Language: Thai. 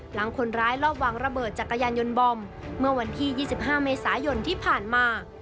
หลังคนร้ายรอบวางระเบิดจักรยานยนต์บอมเมื่อวันที่๒๕เมษายนที่ผ่านมา